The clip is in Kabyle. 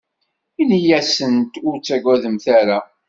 Inna-asent: Ur ttagademt ara.